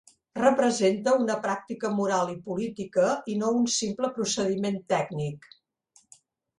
Representa una pràctica moral i política i no un simple procediment tècnic.